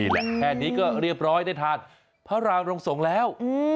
แหละแพะนี้เรียบร้อยได้ทานภรรางตรงส่งแล้ว